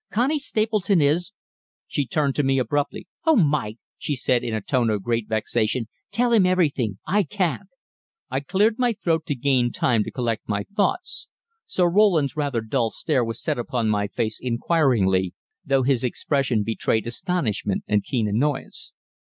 Connie Stapleton is " She turned to me abruptly. "Oh, Mike," she said in a tone of great vexation, "tell him everything I can't." I cleared my throat to gain time to collect my thoughts. Sir Roland's rather dull stare was set upon my face inquiringly, though his expression betrayed astonishment and keen annoyance.